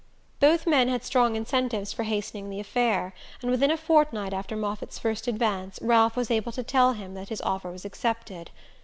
Both men had strong incentives for hastening the affair; and within a fortnight after Moffatt's first advance Ralph was able to tell him that his offer was accepted.